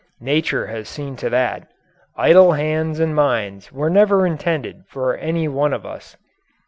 Nature has seen to that. Idle hands and minds were never intended for any one of us.